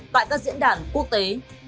tại các diễn đàn quốc tế